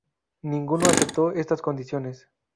Ninguno aceptó estas condiciones.